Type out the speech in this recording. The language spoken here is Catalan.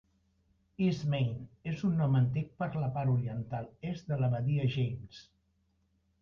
"East Main" és un nom antic per la part oriental est de la badia James.